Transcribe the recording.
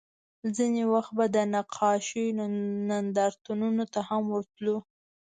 ځینې وخت به د نقاشیو نندارتونونو ته هم ورتلو